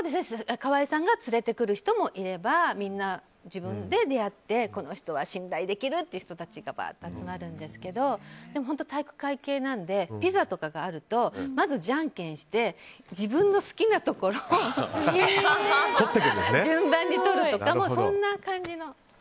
川合さんが連れてくる人もいればみんな自分で出会ってこの人は信頼できるっていう人たちが集まるんですけどでも本当、体育会系なのでピザとかがあるとまずじゃんけんして自分の好きなところを順番に取るとか、そんな感じの。